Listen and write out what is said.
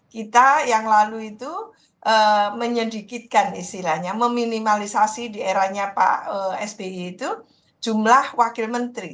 kita yang lalu itu menyedikitkan istilahnya meminimalisasi di eranya pak sby itu jumlah wakil menteri